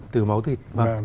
từ máu thịt